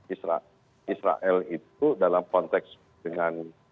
israel itu dalam konteks dengan